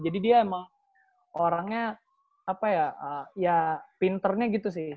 jadi dia emang orangnya apa ya ya pinternya gitu sih